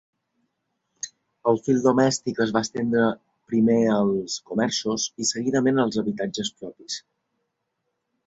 El fil domèstic es va estendre primer als comerços i seguidament als habitatges propis.